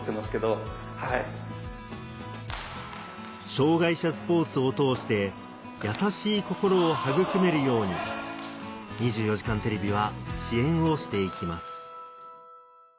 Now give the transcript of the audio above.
障害者スポーツを通して優しい心を育めるように『２４時間テレビ』は支援をしていきます